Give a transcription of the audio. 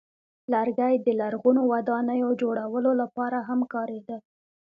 لرګی د لرغونو ودانیو جوړولو لپاره هم کارېده.